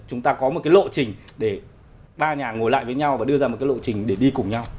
chúng ta có một cái lộ trình để ba nhà ngồi lại với nhau và đưa ra một cái lộ trình để đi cùng nhau